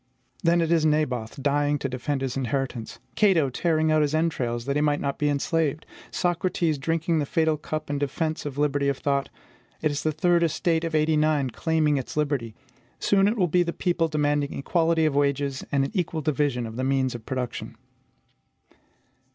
Then it is Naboth dying to defend his inheritance; Cato tearing out his entrails that he might not be enslaved; Socrates drinking the fatal cup in defence of liberty of thought; it is the third estate of '89 reclaiming its liberty: soon it will be the people demanding equality of wages and an equal division of the means of production.